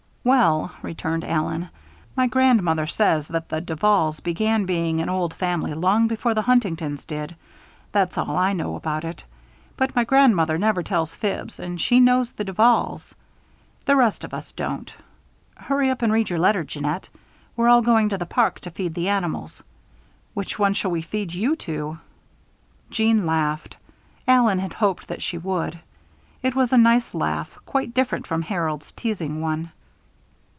"Well," returned Allen, "my grandmother says that the Duvals began being an old family long before the Huntingtons did that's all I know about it; but my grandmother never tells fibs, and she knew the Duvals. The rest of us don't. Hurry up and read your letter, Jeannette. We're all going to the park to feed the animals which one shall we feed you to?" Jeanne laughed. Allen had hoped that she would. It was a nice laugh, quite different from Harold's teasing one.